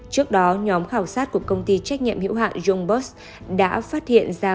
trước đó nhóm khảo sát của công ty trách nhiệm hiệu hạng yongbus đã phát hiện ra